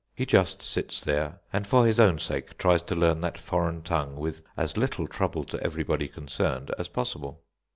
He just sits there, and for his own sake tries to learn that foreign tongue with as little trouble to everybody concerned as possible.